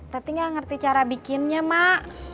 tapi nggak ngerti cara bikinnya mak